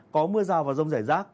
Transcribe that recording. có mưa rào và rông rải rác